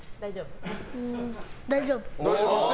大丈夫。